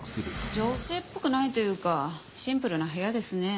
女性っぽくないというかシンプルな部屋ですね。